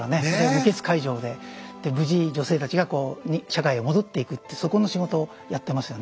無血開城でで無事女性たちが社会へ戻っていくってそこの仕事をやってますよね。